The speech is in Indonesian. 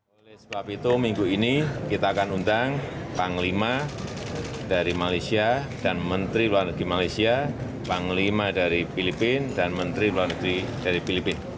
oleh sebab itu minggu ini kita akan undang panglima dari malaysia dan menteri luar negeri malaysia panglima dari filipina dan menteri luar negeri dari filipina